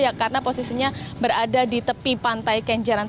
ya karena posisinya berada di tepi pantai kenjeran